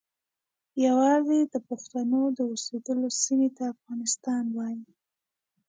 یوازې د پښتنو د اوسیدلو سیمې ته افغانستان وایي.